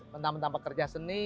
mentang mentang pekerja seni